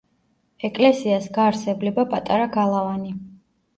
ეკლესიას გარს ევლება პატარა გალავანი.